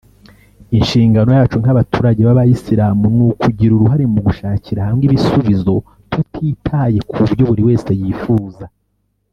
Inshingano yacu nk’abaturage b’abayisilamu ni ukugira uruhare mu gushakirahamwe ibisubizo tutitaye kubyo buri wese yifuza